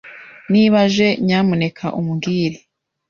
Niba aje, nyamuneka umbwire.